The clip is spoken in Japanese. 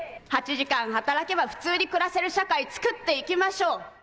８時間働けば普通に暮らせる社会、つくっていきましょう。